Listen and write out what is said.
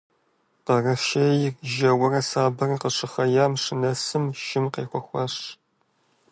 Къэрэшейр жэурэ сабэр къыщыхъеям щынэсым, шым къехуэхащ.